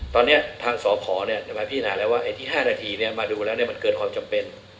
ตอนนี้ทางสอบขอเนี่ยมาพิจารณาแล้วว่าไอ้ที่๕นาทีเนี่ยมาดูแล้วเนี่ยมันเกินความจำเป็น